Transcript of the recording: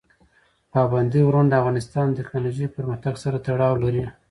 پابندی غرونه د افغانستان د تکنالوژۍ پرمختګ سره تړاو لري.